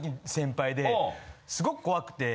すごく怖くて。